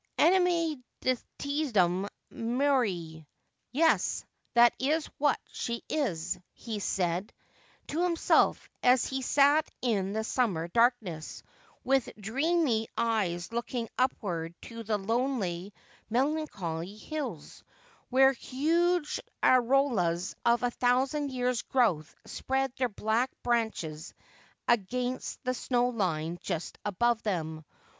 '" Animn: dimiditm, mecE." Yes, that is what she is,' he said to himself as he sat in the summer darkness, with dreamy eyes looking upward to the lonely melancholy hills, where huge aroUas of a thousand years' growth spread their black branches against the snow line just above them.